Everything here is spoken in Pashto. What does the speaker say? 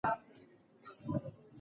دغه پاڼه له خپل ځایه نه غورځېږي.